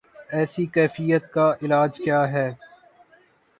ایسی کیفیت کا علاج کیا ہے؟